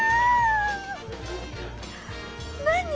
何？